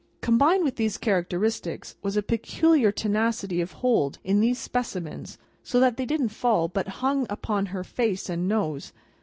Combined with these characteristics, was a peculiar tenacity of hold in those specimens, so that they didn't fall, but hung upon her face and nose.